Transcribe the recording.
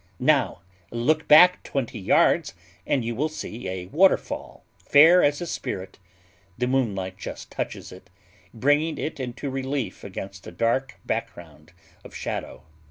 Now look back twenty yards, and you will see a waterfall fair as a spirit; the moonlight just touches it, bringing it into relief against a dark background of shadow.